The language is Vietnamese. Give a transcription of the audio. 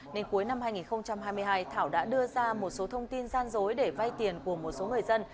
nên cuối năm hai nghìn hai mươi hai thảo đã đưa ra một số thông tin gian dối để vay tiền của một số người dân